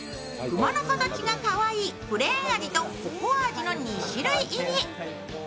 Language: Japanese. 熊の形がかわいいプレーン味とココア味の２種類入り。